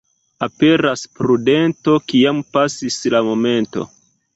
Aperas prudento, kiam pasis la momento.